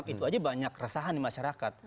itu aja banyak resahan di masyarakat